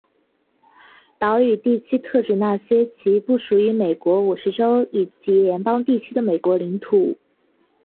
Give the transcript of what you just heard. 岛屿地区特指那些其不属于美国五十州以及联邦特区的美国领土。